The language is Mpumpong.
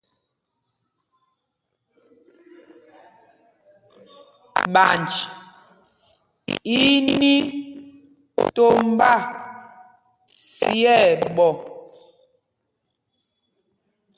Ɓanj í í ní tombá sī ɛɓɔ.